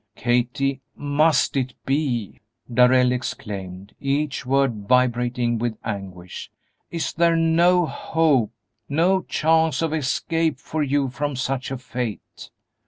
"Kathie, must it be?" Darrell exclaimed, each word vibrating with anguish; "is there no hope no chance of escape for you from such a fate?"